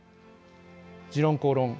「時論公論」